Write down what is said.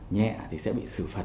nhẹ thì sẽ bị xử phạt